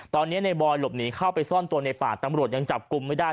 ตอนนี้ในบอยหลบหนีเข้าไปซ่อนตัวในป่าตำรวจยังจับกลุ่มไม่ได้